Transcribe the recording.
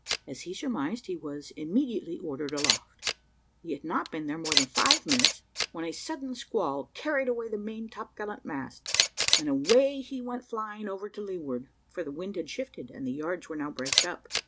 As he surmised he was immediately ordered aloft. He had not been there more than five minutes, when a sudden squall carried away the main topgallant mast, and away he went flying over to leeward (for the wind: had shifted, and the yards were now braced up).